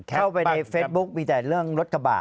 เข้าไปในเฟซบุ๊คมีแต่เรื่องรถกระบะ